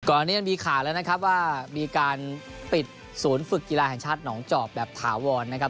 นี้มันมีข่าวแล้วนะครับว่ามีการปิดศูนย์ฝึกกีฬาแห่งชาติหนองจอบแบบถาวรนะครับ